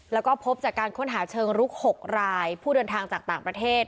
แล้วก็พบจากการค้นหาเชิงลุก๖รายผู้เดินทางจากต่างประเทศ